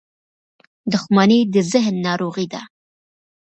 • دښمني د ذهن ناروغي ده.